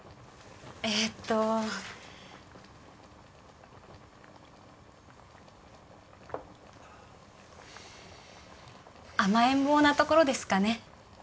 えっと甘えん坊なところですかね